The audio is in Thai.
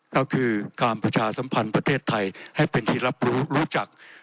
ก็คือการประชาสัมพันธ์ประเทศไทยให้เป็นที่รับรู้รู้จัก